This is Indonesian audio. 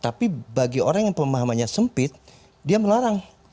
tapi bagi orang yang pemahamannya sempit dia melarang